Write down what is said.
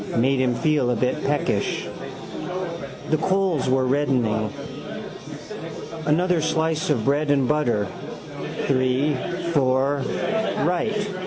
Made him feel a bit peckish. The coals were reddening. Another slice of bread and butter: three, four: right.